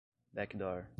backdoor